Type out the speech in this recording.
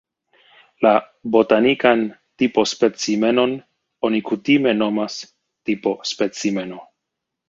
La botanikan tipo-specimenon oni kutime nomas "tipo-specimeno".